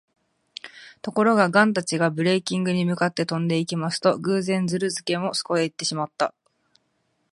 ところが、ガンたちがブレーキンゲに向かって飛んでいきますと、偶然、ズルスケもそこへいっていました。